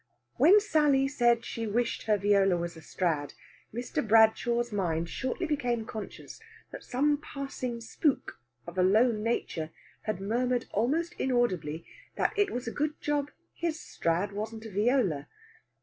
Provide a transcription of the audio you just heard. When Sally said she wished her viola was a Strad, Mr. Bradshaw's mind shortly became conscious that some passing spook, of a low nature, had murmured almost inaudibly that it was a good job his Strad wasn't a viola.